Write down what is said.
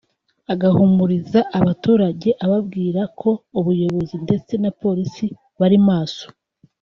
agahumuriza abaturage ababwira ko ubuyobozi ndetse na Polisi bari maso